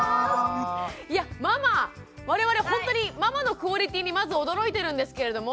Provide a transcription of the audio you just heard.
いやママ我々ほんとにママのクオリティーにまず驚いてるんですけれども。